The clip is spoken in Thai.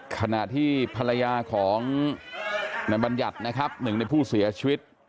ขณะที่ภรรยาของนายบัญญัตินะครับหนึ่งในผู้เสียชีวิต